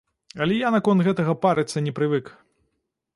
Але я наконт гэтага парыцца не прывык.